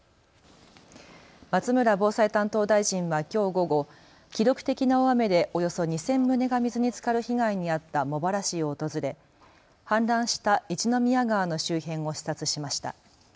松村防災担当大臣はきょう午後、記録的な大雨でおよそ２０００棟が水につかる被害に遭った茂原市を訪れ氾濫した一宮川の周辺を視察しました。